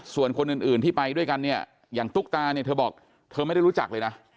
ส่วนคนอื่นที่ไปด้วยกันเนี่ยอย่างตุ๊กตาเนี่ยเธอบอกเธอไม่ได้รู้จักเลยนะ